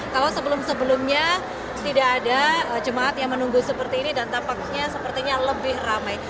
kalau sebelum sebelumnya tidak ada jemaat yang menunggu seperti ini dan tampaknya sepertinya lebih ramai